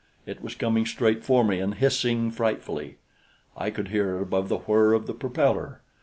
It was coming straight for me and hissing frightfully I could hear it above the whir of the propeller.